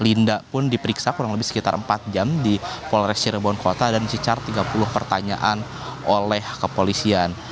linda pun diperiksa kurang lebih sekitar empat jam di polres cirebon kota dan dicicar tiga puluh pertanyaan oleh kepolisian